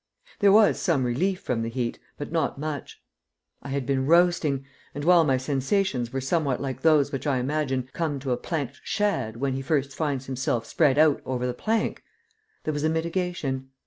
There was some relief from the heat, but not much. I had been roasting, and while my sensations were somewhat like those which I imagine come to a planked shad when he first finds himself spread out over the plank, there was a mitigation.